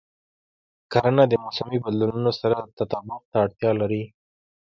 کرنه د موسمي بدلونونو سره تطابق ته اړتیا لري.